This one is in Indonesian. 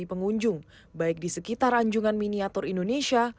bagi pengunjung baik di sekitar anjungan miniatur indonesia